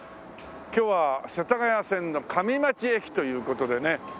今日は世田谷線の上町駅という事でね。